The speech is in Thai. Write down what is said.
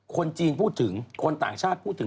คนจีนพูดถึงคนต่างชาติพูดถึง